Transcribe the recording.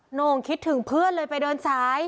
โหน่งคิดถึงเพื่อนเลยไปเดินสาย